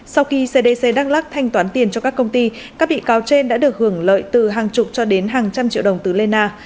sau khi cdc đắk lắc thanh toán tiền cho các công ty các bị cáo trên đã được hưởng lợi từ hàng chục cho đến hàng trăm triệu đồng từ lê na